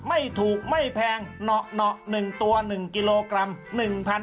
ไม่ถูกไม่แพงเหนาะ๑ตัว๑กิโลกรัม